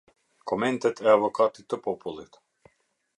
Komentet e Avokatit të Popullit.